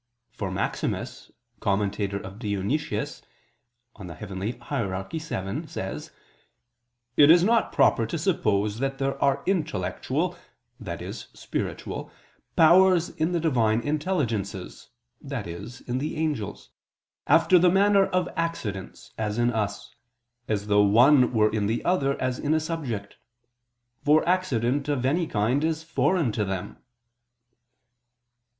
For Maximus, commentator of Dionysius (Coel. Hier. vii), says: "It is not proper to suppose that there are intellectual (i.e. spiritual) powers in the divine intelligences (i.e. in the angels) after the manner of accidents, as in us: as though one were in the other as in a subject: for accident of any kind is foreign to them."